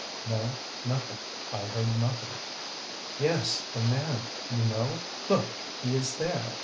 "No, nothing; I heard nothing." "Yes, the Man you know? Look! he is there.